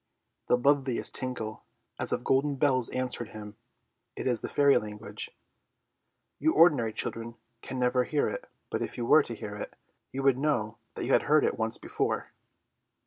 The loveliest tinkle as of golden bells answered him. It is the fairy language. You ordinary children can never hear it, but if you were to hear it you would know that you had heard it once before.